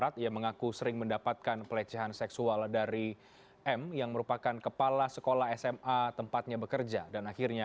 tim liputan cnn indonesia